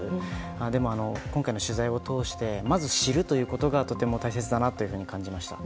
でも、今回の取材を通してまず知るというのがとても大切だなというふうに感じました。